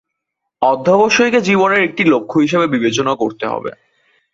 অধ্যবসায়কে জীবনের একটা লক্ষ্য হিসেবে বিবেচনা করতে হবে।